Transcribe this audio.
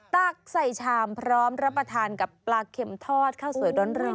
ตักใส่ชามพร้อมรับประทานกับปลาเข็มทอดข้าวสวยร้อน